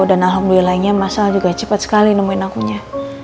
dan alhamdulillahnya mas al juga cepet sekali nemuin akunya